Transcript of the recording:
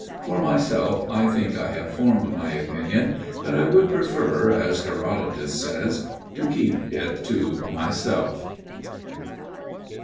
"For myself I think I have formed my opinion; but I would prefer, as Herodotus says, to keep it to myself."